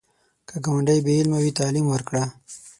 که ګاونډی بې علمه وي، تعلیم ورکړه